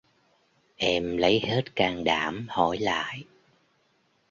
Em lấy hết can đảm hỏi lại